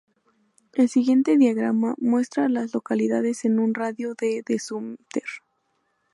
El siguiente diagrama muestra a las localidades en un radio de de Sumter.